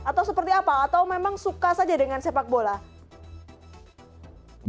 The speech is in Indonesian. atau seperti apa atau memang suka saja dengan sepak bola